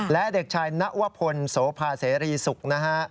และเด็กชายนวพลโสภาเสรีศุกร์นะฮะ